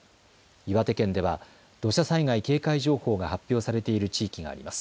岩手県では土砂災害警戒情報が発表されている地域があります。